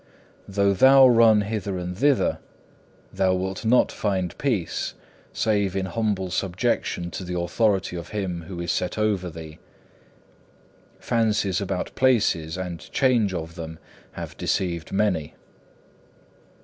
Though thou run hither and thither, thou wilt not find peace, save in humble subjection to the authority of him who is set over thee. Fancies about places and change of them have deceived many.